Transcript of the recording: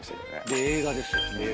で映画ですよ。